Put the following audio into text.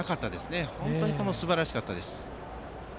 それも本当にすばらしかったです。